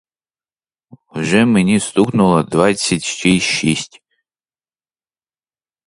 Вже мені стукнуло двадцять ще й шість!